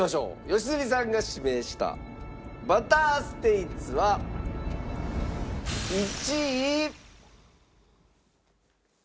良純さんが指名したバターステイツは１位。